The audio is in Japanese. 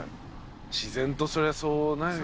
自然とそりゃそうなる。